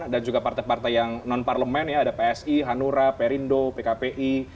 juga partai partai yang non parlemen ya ada psi hanura perindo pkpi